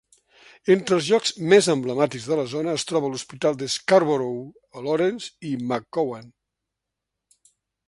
Entre els llocs més emblemàtics de la zona es troba l'hospital de Scarborough a Lawrence i McCowan.